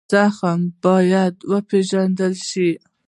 زخم باید وپېژندل شي.